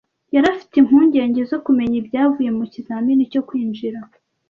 Yari afite impungenge zo kumenya ibyavuye mu kizamini cyo kwinjira.